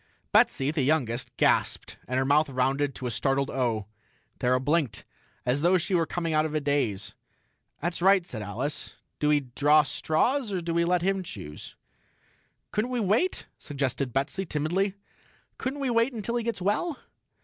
Betsy, the youngest, gasped, and her mouth rounded to a startled O. Thera blinked, as though she were coming out of a daze. "That's right," said Alice. "Do we draw straws, or do we let him choose?" "Couldn't we wait?" suggested Betsy timidly. "Couldn't we wait until he gets well?"